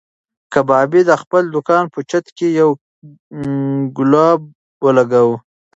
کبابي د خپل دوکان په چت کې یو ګلوب ولګاوه.